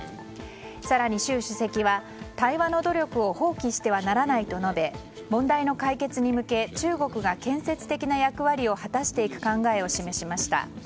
更に習主席は対話の努力を放棄してはならないと述べ問題の解決に向け中国が建設的な役割を果たしていく考えを示しました。